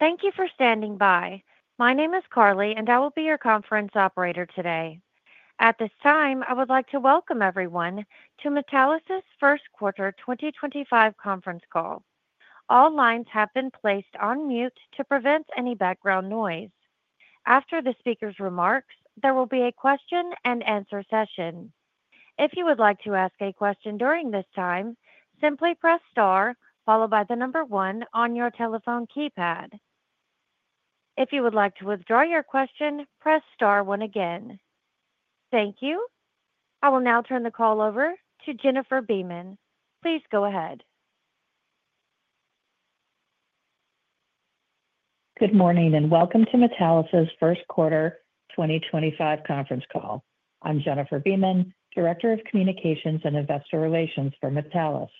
Thank you for standing by. My name is Carly, and I will be your conference operator today. At this time, I would like to welcome everyone to Metallus' first quarter 2025 conference call. All lines have been placed on mute to prevent any background noise. After the speaker's remarks, there will be a question-and-answer session. If you would like to ask a question during this time, simply press star followed by the number one on your telephone keypad. If you would like to withdraw your question, press star one again. Thank you. I will now turn the call over to Jennifer Beeman. Please go ahead. Good morning and welcome to Metallus' first quarter 2025 conference call. I'm Jennifer Beeman, Director of Communications and Investor Relations for Metallus.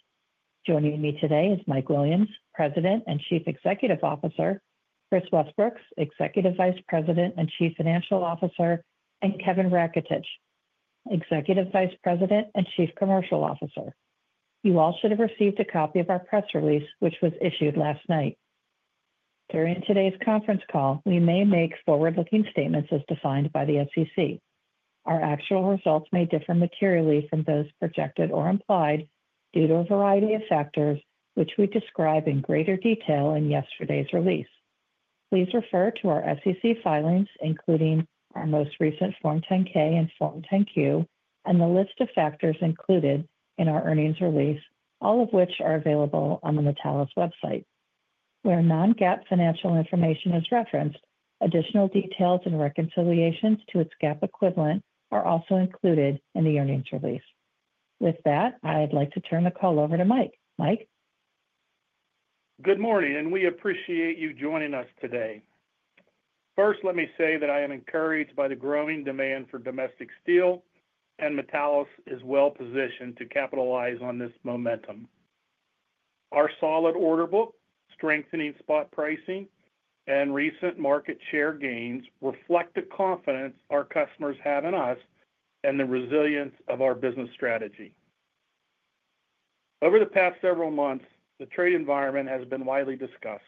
Joining me today is Mike Williams, President and Chief Executive Officer, Kris Westbrooks, Executive Vice President and Chief Financial Officer, and Kevin Raketich, Executive Vice President and Chief Commercial Officer. You all should have received a copy of our press release, which was issued last night. During today's conference call, we may make forward-looking statements as defined by the SEC. Our actual results may differ materially from those projected or implied due to a variety of factors, which we described in greater detail in yesterday's release. Please refer to our SEC filings, including our most recent Form 10-K and Form 10-Q, and the list of factors included in our earnings release, all of which are available on the Metallus website. Where non-GAAP financial information is referenced, additional details and reconciliations to its GAAP equivalent are also included in the earnings release. With that, I'd like to turn the call over to Mike. Mike? Good morning, and we appreciate you joining us today. First, let me say that I am encouraged by the growing demand for domestic steel, and Metallus is well-positioned to capitalize on this momentum. Our solid order book, strengthening spot pricing, and recent market share gains reflect the confidence our customers have in us and the resilience of our business strategy. Over the past several months, the trade environment has been widely discussed.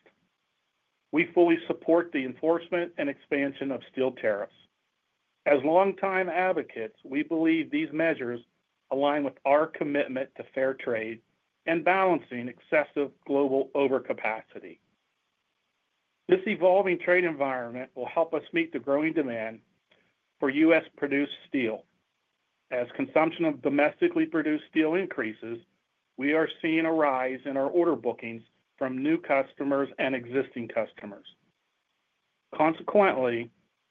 We fully support the enforcement and expansion of steel tariffs. As long-time advocates, we believe these measures align with our commitment to fair trade and balancing excessive global overcapacity. This evolving trade environment will help us meet the growing demand for U.S.-produced steel. As consumption of domestically produced steel increases, we are seeing a rise in our order bookings from new customers and existing customers. Consequently,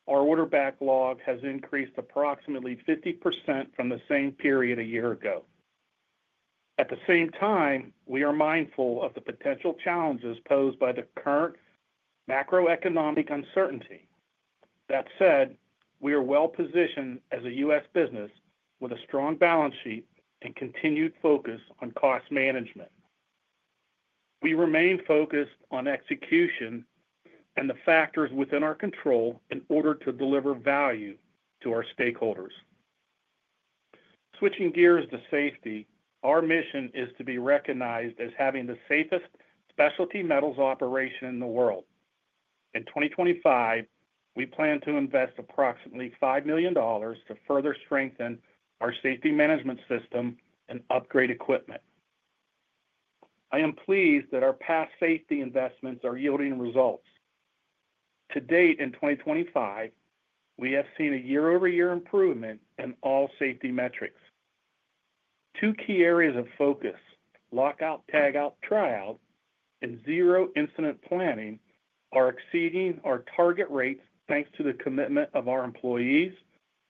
our order backlog has increased approximately 50% from the same period a year ago. At the same time, we are mindful of the potential challenges posed by the current macroeconomic uncertainty. That said, we are well-positioned as a U.S. business with a strong balance sheet and continued focus on cost management. We remain focused on execution and the factors within our control in order to deliver value to our stakeholders. Switching gears to safety, our mission is to be recognized as having the safest specialty metals operation in the world. In 2025, we plan to invest approximately $5 million to further strengthen our safety management system and upgrade equipment. I am pleased that our past safety investments are yielding results. To date, in 2025, we have seen a year-over-year improvement in all safety metrics. Two key areas of focus—lockout-tagout tryout and zero-incident planning—are exceeding our target rates thanks to the commitment of our employees,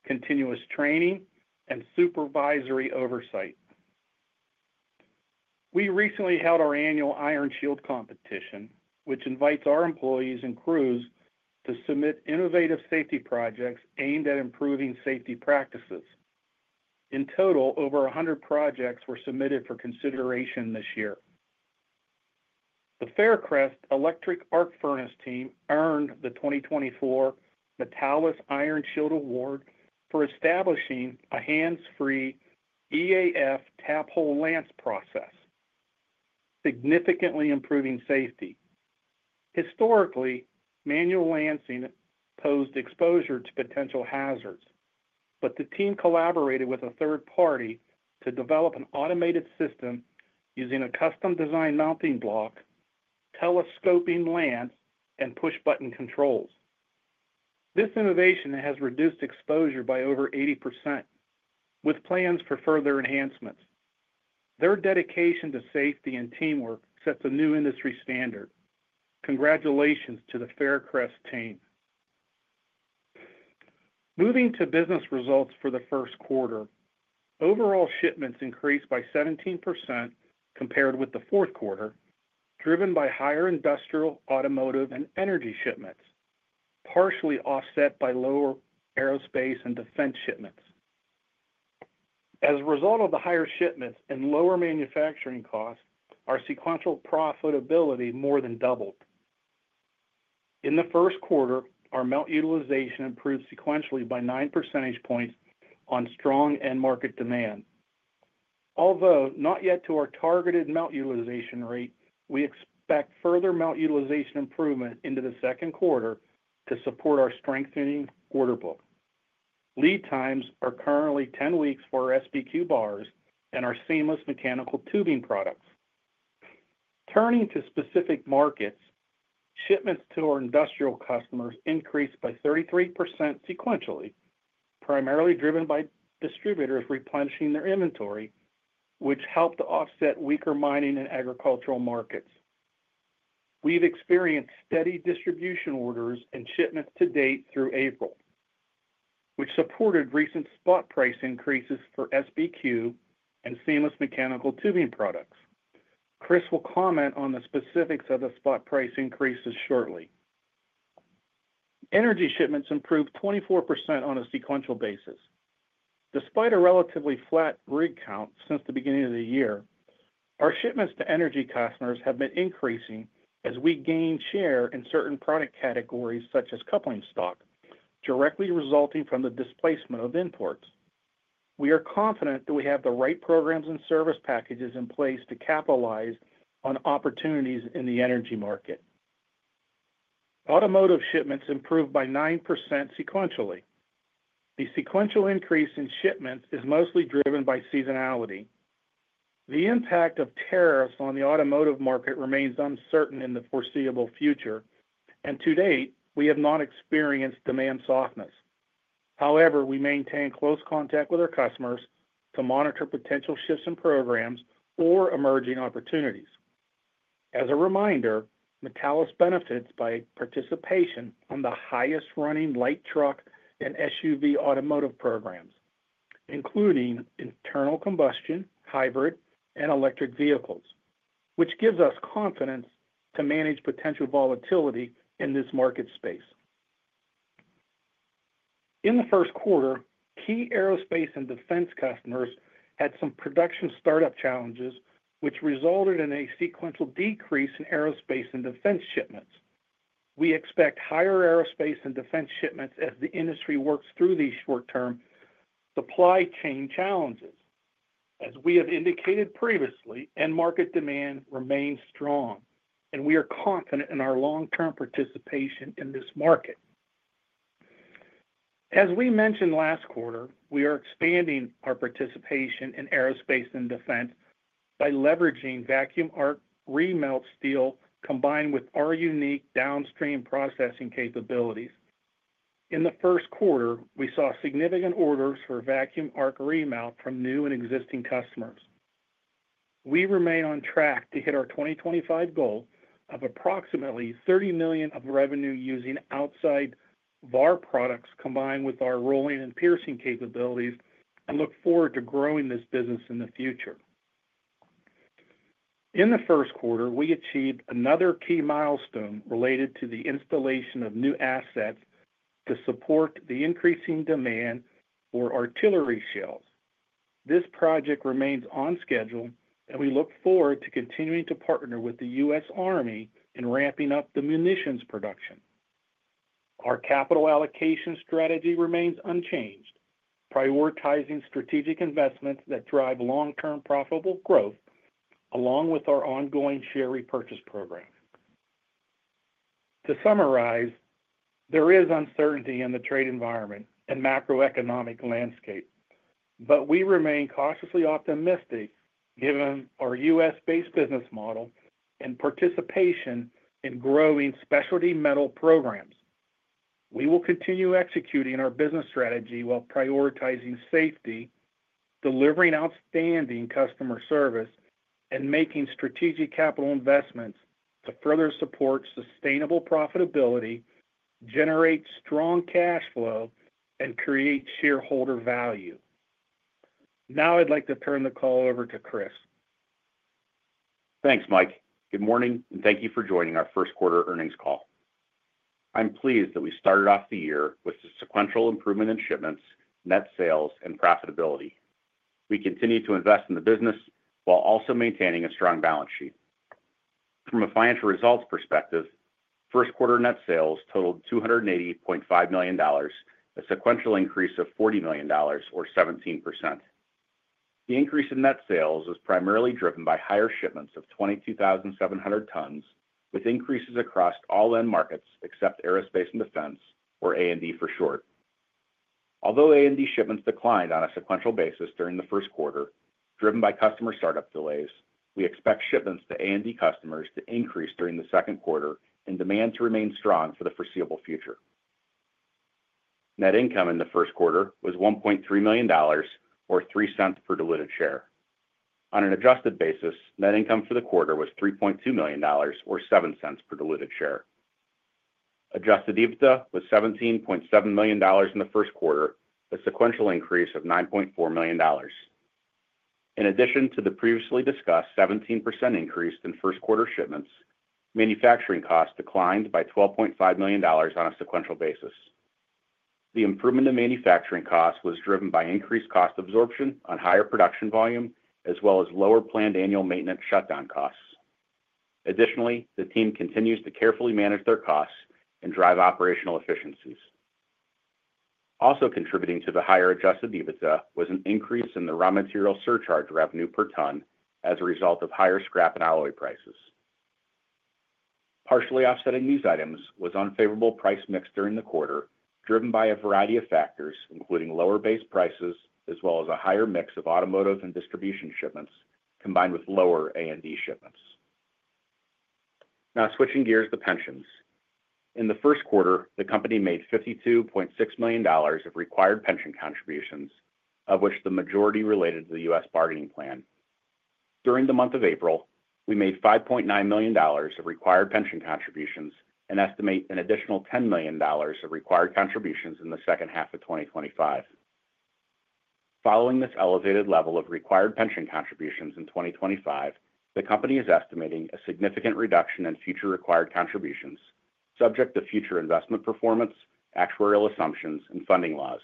continuous training, and supervisory oversight. We recently held our annual Iron Shield competition, which invites our employees and crews to submit innovative safety projects aimed at improving safety practices. In total, over 100 projects were submitted for consideration this year. The Faircrest Electric Arc Furnace team earned the 2024 Metallus Iron Shield Award for establishing a hands-free EAF tap-hole lance process, significantly improving safety. Historically, manual lancing posed exposure to potential hazards, but the team collaborated with a third party to develop an automated system using a custom-designed mounting block, telescoping lance, and push-button controls. This innovation has reduced exposure by over 80%, with plans for further enhancements. Their dedication to safety and teamwork sets a new industry standard. Congratulations to the Faircrest team. Moving to business results for the first quarter, overall shipments increased by 17% compared with the fourth quarter, driven by higher industrial, automotive, and energy shipments, partially offset by lower aerospace and defense shipments. As a result of the higher shipments and lower manufacturing costs, our sequential profitability more than doubled. In the first quarter, our melt utilization improved sequentially by 9 percentage points on strong end-market demand. Although not yet to our targeted melt utilization rate, we expect further melt utilization improvement into the second quarter to support our strengthening order book. Lead times are currently 10 weeks for our SBQ bars and our seamless mechanical tubing products. Turning to specific markets, shipments to our industrial customers increased by 33% sequentially, primarily driven by distributors replenishing their inventory, which helped offset weaker mining and agricultural markets. We've experienced steady distribution orders and shipments to date through April, which supported recent spot price increases for SBQ and seamless mechanical tubing products. Kris will comment on the specifics of the spot price increases shortly. Energy shipments improved 24% on a sequential basis. Despite a relatively flat rig count since the beginning of the year, our shipments to energy customers have been increasing as we gain share in certain product categories such as coupling stock, directly resulting from the displacement of imports. We are confident that we have the right programs and service packages in place to capitalize on opportunities in the energy market. Automotive shipments improved by 9% sequentially. The sequential increase in shipments is mostly driven by seasonality. The impact of tariffs on the automotive market remains uncertain in the foreseeable future, and to date, we have not experienced demand softness. However, we maintain close contact with our customers to monitor potential shifts in programs or emerging opportunities. As a reminder, Metallus benefits by participation on the highest-running light truck and SUV automotive programs, including internal combustion, hybrid, and electric vehicles, which gives us confidence to manage potential volatility in this market space. In the first quarter, key aerospace and defense customers had some production startup challenges, which resulted in a sequential decrease in aerospace and defense shipments. We expect higher aerospace and defense shipments as the industry works through these short-term supply chain challenges. As we have indicated previously, end-market demand remains strong, and we are confident in our long-term participation in this market. As we mentioned last quarter, we are expanding our participation in aerospace and defense by leveraging vacuum arc remelt steel combined with our unique downstream processing capabilities. In the first quarter, we saw significant orders for vacuum arc remelt from new and existing customers. We remain on track to hit our 2025 goal of approximately $30 million of revenue using outside VAR products combined with our rolling and piercing capabilities and look forward to growing this business in the future. In the first quarter, we achieved another key milestone related to the installation of new assets to support the increasing demand for artillery shells. This project remains on schedule, and we look forward to continuing to partner with the U.S. Army in ramping up the munitions production. Our capital allocation strategy remains unchanged, prioritizing strategic investments that drive long-term profitable growth along with our ongoing share repurchase program. To summarize, there is uncertainty in the trade environment and macroeconomic landscape, but we remain cautiously optimistic given our U.S.-based business model and participation in growing specialty metal programs. We will continue executing our business strategy while prioritizing safety, delivering outstanding customer service, and making strategic capital investments to further support sustainable profitability, generate strong cash flow, and create shareholder value. Now, I'd like to turn the call over to Kris. Thanks, Mike. Good morning, and thank you for joining our first quarter earnings call. I'm pleased that we started off the year with a sequential improvement in shipments, net sales, and profitability. We continue to invest in the business while also maintaining a strong balance sheet. From a financial results perspective, first quarter net sales totaled $280.5 million, a sequential increase of $40 million, or 17%. The increase in net sales was primarily driven by higher shipments of 22,700 tons, with increases across all end markets except aerospace and defense, or A&D for short. Although A&D shipments declined on a sequential basis during the first quarter, driven by customer startup delays, we expect shipments to A&D customers to increase during the second quarter and demand to remain strong for the foreseeable future. Net income in the first quarter was $1.3 million, or $0.03 per diluted share. On an adjusted basis, net income for the quarter was $3.2 million, or $0.07 per diluted share. Adjusted EBITDA was $17.7 million in the first quarter, a sequential increase of $9.4 million. In addition to the previously discussed 17% increase in first quarter shipments, manufacturing costs declined by $12.5 million on a sequential basis. The improvement in manufacturing costs was driven by increased cost absorption on higher production volume, as well as lower planned annual maintenance shutdown costs. Additionally, the team continues to carefully manage their costs and drive operational efficiencies. Also contributing to the higher adjusted EBITDA was an increase in the raw material surcharge revenue per ton as a result of higher scrap and alloy prices. Partially offsetting these items was unfavorable price mix during the quarter, driven by a variety of factors, including lower base prices, as well as a higher mix of automotive and distribution shipments combined with lower A&D shipments. Now, switching gears to pensions. In the first quarter, the company made $52.6 million of required pension contributions, of which the majority related to the U.S. bargaining plan. During the month of April, we made $5.9 million of required pension contributions and estimate an additional $10 million of required contributions in the second half of 2025. Following this elevated level of required pension contributions in 2025, the company is estimating a significant reduction in future required contributions, subject to future investment performance, actuarial assumptions, and funding laws.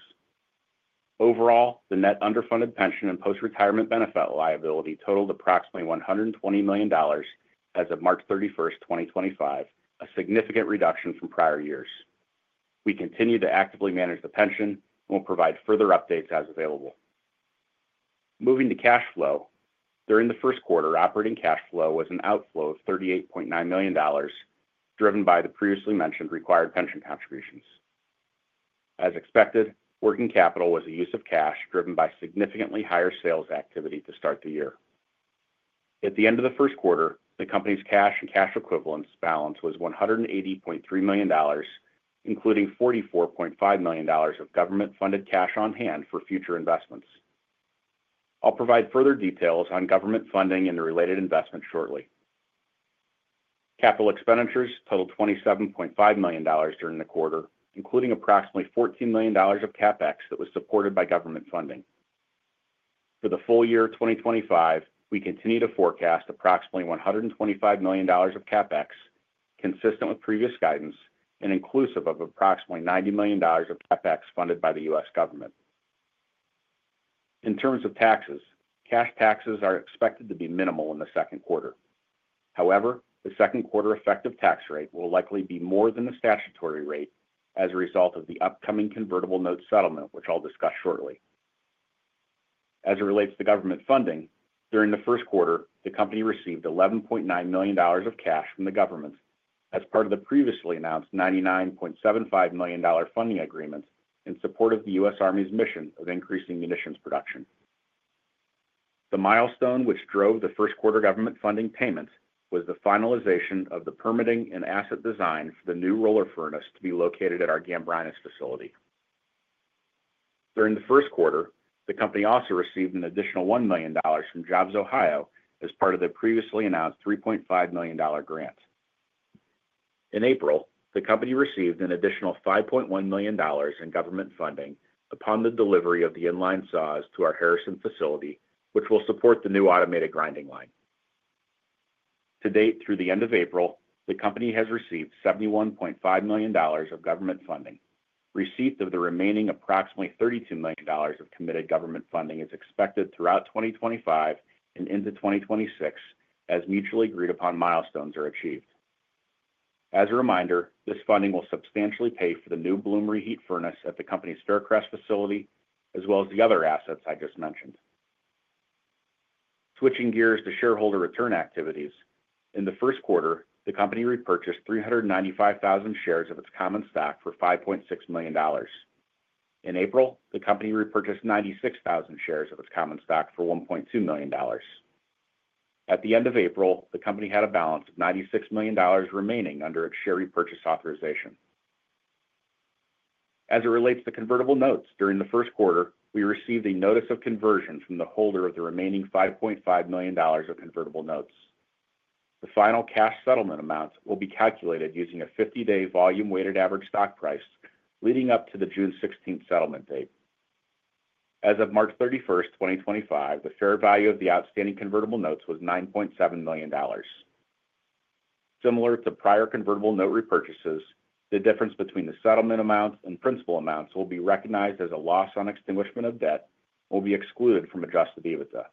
Overall, the net underfunded pension and post-retirement benefit liability totaled approximately $120 million as of March 31, 2025, a significant reduction from prior years. We continue to actively manage the pension and will provide further updates as available. Moving to cash flow, during the first quarter, operating cash flow was an outflow of $38.9 million, driven by the previously mentioned required pension contributions. As expected, working capital was a use of cash driven by significantly higher sales activity to start the year. At the end of the first quarter, the company's cash and cash equivalents balance was $180.3 million, including $44.5 million of government-funded cash on hand for future investments. I'll provide further details on government funding and the related investments shortly. Capital expenditures totaled $27.5 million during the quarter, including approximately $14 million of CapEx that was supported by government funding. For the full year 2025, we continue to forecast approximately $125 million of CapEx, consistent with previous guidance and inclusive of approximately $90 million of CapEx funded by the U.S. government. In terms of taxes, cash taxes are expected to be minimal in the second quarter. However, the second quarter effective tax rate will likely be more than the statutory rate as a result of the upcoming convertible note settlement, which I'll discuss shortly. As it relates to government funding, during the first quarter, the company received $11.9 million of cash from the government as part of the previously announced $99.75 million funding agreement in support of the U.S. Army's mission of increasing munitions production. The milestone which drove the first quarter government funding payment was the finalization of the permitting and asset design for the new roller furnace to be located at our Gambrinus facility. During the first quarter, the company also received an additional $1 million from Jobs Ohio as part of the previously announced $3.5 million grant. In April, the company received an additional $5.1 million in government funding upon the delivery of the inline saws to our Harrison facility, which will support the new automated grinding line. To date, through the end of April, the company has received $71.5 million of government funding. Receipt of the remaining approximately $32 million of committed government funding is expected throughout 2025 and into 2026 as mutually agreed-upon milestones are achieved. As a reminder, this funding will substantially pay for the new Bloomery heat furnace at the company's Faircrest facility, as well as the other assets I just mentioned. Switching gears to shareholder return activities, in the first quarter, the company repurchased 395,000 shares of its common stock for $5.6 million. In April, the company repurchased 96,000 shares of its common stock for $1.2 million. At the end of April, the company had a balance of $96 million remaining under its share repurchase authorization. As it relates to convertible notes, during the first quarter, we received a notice of conversion from the holder of the remaining $5.5 million of convertible notes. The final cash settlement amount will be calculated using a 50-day volume-weighted average stock price leading up to the June 16 settlement date. As of March 31, 2025, the fair value of the outstanding convertible notes was $9.7 million. Similar to prior convertible note repurchases, the difference between the settlement amounts and principal amounts will be recognized as a loss on extinguishment of debt and will be excluded from adjusted EBITDA.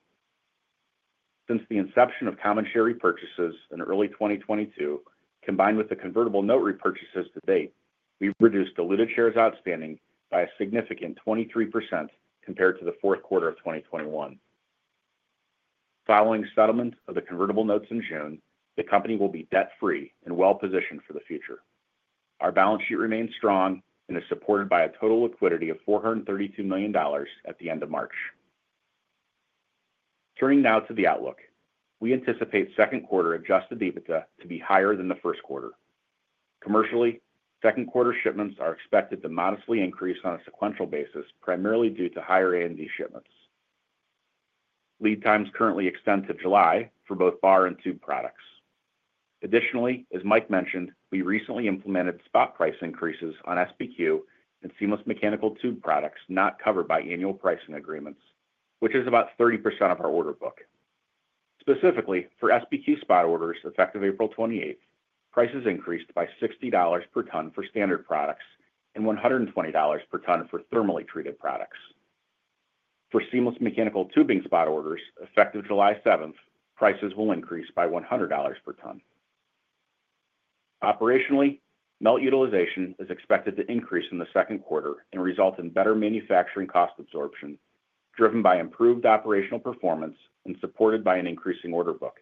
Since the inception of common share repurchases in early 2022, combined with the convertible note repurchases to date, we've reduced diluted shares outstanding by a significant 23% compared to the fourth quarter of 2021. Following settlement of the convertible notes in June, the company will be debt-free and well-positioned for the future. Our balance sheet remains strong and is supported by a total liquidity of $432 million at the end of March. Turning now to the outlook, we anticipate second quarter adjusted EBITDA to be higher than the first quarter. Commercially, second quarter shipments are expected to modestly increase on a sequential basis, primarily due to higher A&D shipments. Lead times currently extend to July for both bar and tube products. Additionally, as Mike mentioned, we recently implemented spot price increases on SBQ and seamless mechanical tube products not covered by annual pricing agreements, which is about 30% of our order book. Specifically, for SBQ spot orders effective April 28, prices increased by $60 per ton for standard products and $120 per ton for thermally treated products. For seamless mechanical tubing spot orders effective July 7, prices will increase by $100 per ton. Operationally, melt utilization is expected to increase in the second quarter and result in better manufacturing cost absorption driven by improved operational performance and supported by an increasing order book.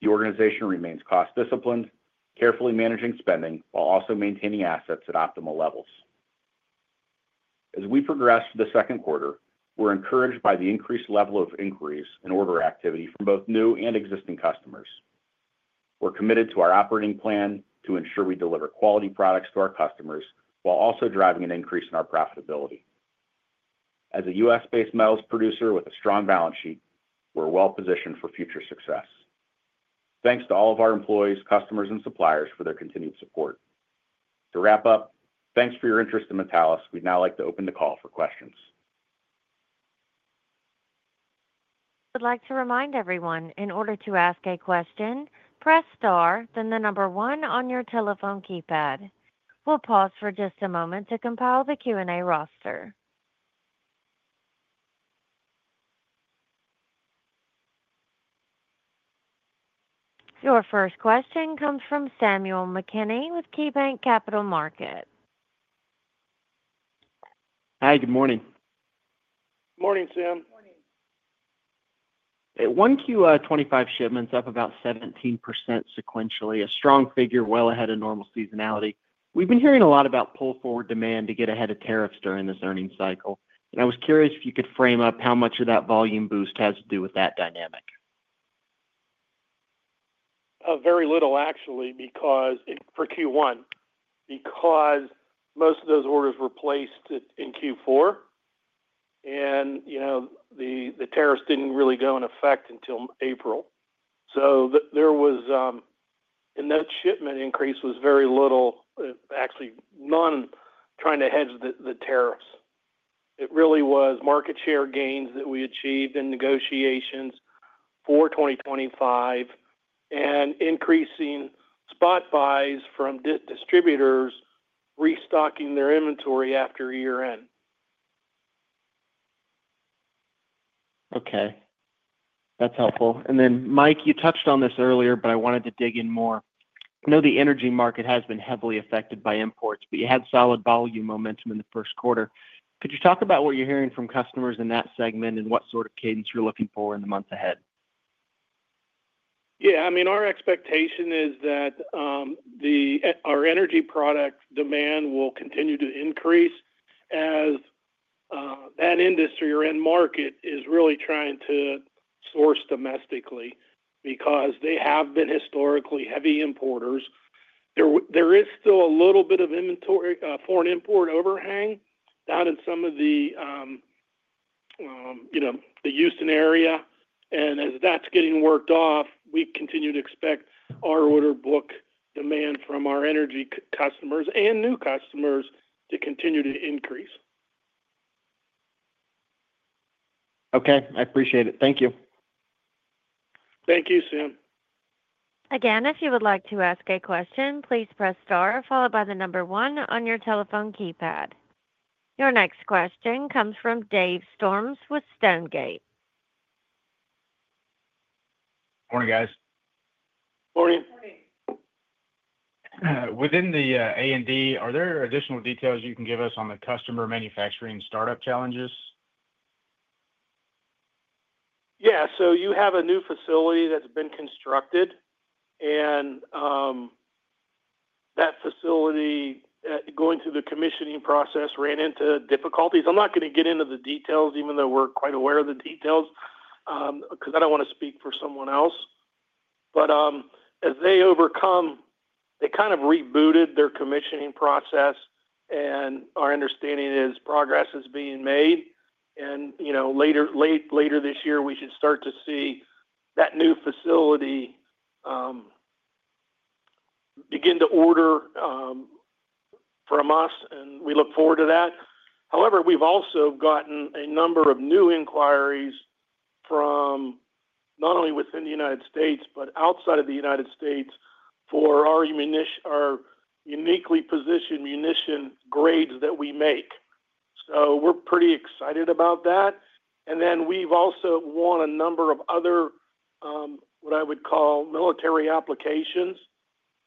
The organization remains cost-disciplined, carefully managing spending while also maintaining assets at optimal levels. As we progress through the second quarter, we're encouraged by the increased level of inquiries and order activity from both new and existing customers. We're committed to our operating plan to ensure we deliver quality products to our customers while also driving an increase in our profitability. As a U.S.-based metals producer with a strong balance sheet, we're well-positioned for future success. Thanks to all of our employees, customers, and suppliers for their continued support. To wrap up, thanks for your interest in Metallus. We'd now like to open the call for questions. I'd like to remind everyone, in order to ask a question, press star, then the number one on your telephone keypad. We'll pause for just a moment to compile the Q&A roster. Your first question comes from Samuel McKinney with KeyBank Capital Markets. Hi, good morning. Good morning, Sam. Good morning. At 1Q25 shipments up about 17% sequentially, a strong figure well ahead of normal seasonality. We've been hearing a lot about pull forward demand to get ahead of tariffs during this earnings cycle. I was curious if you could frame up how much of that volume boost has to do with that dynamic. Very little, actually, for Q1, because most of those orders were placed in Q4, and the tariffs did not really go in effect until April. The net shipment increase was very little, actually none, trying to hedge the tariffs. It really was market share gains that we achieved in negotiations for 2025 and increasing spot buys from distributors restocking their inventory after year-end. Okay. That's helpful. Mike, you touched on this earlier, but I wanted to dig in more. I know the energy market has been heavily affected by imports, but you had solid volume momentum in the first quarter. Could you talk about what you're hearing from customers in that segment and what sort of cadence you're looking for in the month ahead? Yeah. I mean, our expectation is that our energy product demand will continue to increase as that industry or end market is really trying to source domestically because they have been historically heavy importers. There is still a little bit of foreign import overhang down in some of the Houston area. As that is getting worked off, we continue to expect our order book demand from our energy customers and new customers to continue to increase. Okay. I appreciate it. Thank you. Thank you, Sam. Again, if you would like to ask a question, please press star followed by the number one on your telephone keypad. Your next question comes from Dave Storms with StoneGate. Morning, guys. Morning. Morning. Within the A&D, are there additional details you can give us on the customer manufacturing startup challenges? Yeah. You have a new facility that's been constructed, and that facility, going through the commissioning process, ran into difficulties. I'm not going to get into the details, even though we're quite aware of the details, because I don't want to speak for someone else. As they overcome, they kind of rebooted their commissioning process, and our understanding is progress is being made. Later this year, we should start to see that new facility begin to order from us, and we look forward to that. However, we've also gotten a number of new inquiries from not only within the U.S. but outside of the U.S. for our uniquely positioned munition grades that we make. We're pretty excited about that. We've also won a number of other, what I would call, military applications,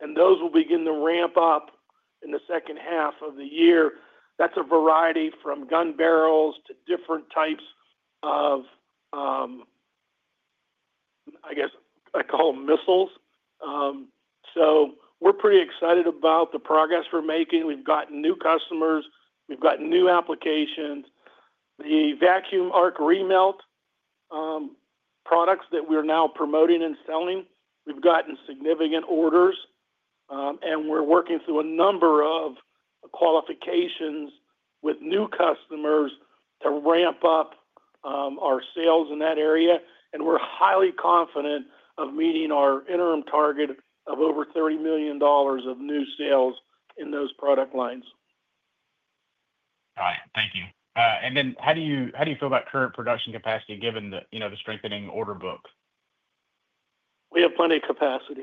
and those will begin to ramp up in the second half of the year. That's a variety from gun barrels to different types of, I guess, I call them missiles. We're pretty excited about the progress we're making. We've gotten new customers. We've gotten new applications. The vacuum arc remelt products that we're now promoting and selling, we've gotten significant orders, and we're working through a number of qualifications with new customers to ramp up our sales in that area. We're highly confident of meeting our interim target of over $30 million of new sales in those product lines. All right. Thank you. How do you feel about current production capacity given the strengthening order book? We have plenty of capacity.